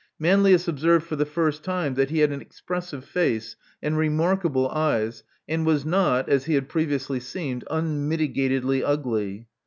Manlius observed for the first time that he had an expressive face and remarkable eyes, and was not, as he had previously seemed, unmitigatedly ugly.